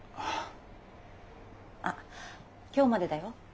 あっ今日までだよ。